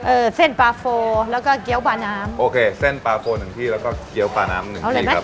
เส้นปลาโฟแล้วก็เกี้ยวปลาน้ำโอเคเส้นปลาโฟหนึ่งที่แล้วก็เกี้ยวปลาน้ำหนึ่งที่ครับ